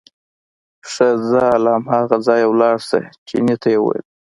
ښه ځه له هماغه سره لاړ شه، چیني ته یې وویل.